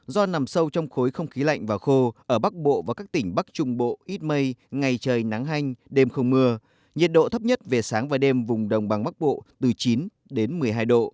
do nằm sâu trong khối không khí lạnh và khô ở bắc bộ và các tỉnh bắc trung bộ ít mây ngày trời nắng hanh đêm không mưa nhiệt độ thấp nhất về sáng và đêm vùng đồng bằng bắc bộ từ chín đến một mươi hai độ